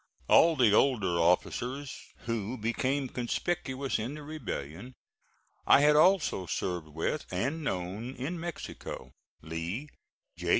All the older officers, who became conspicuous in the rebellion, I had also served with and known in Mexico: Lee, J.